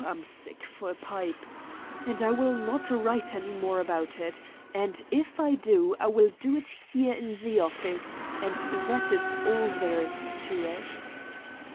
I'm sick for a pipe;' and I will not write any more about it; and if I do, I will do it here in the office, and that is all there is to it."